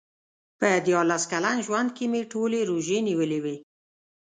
په دیارلس کلن ژوند کې مې ټولې روژې نیولې وې.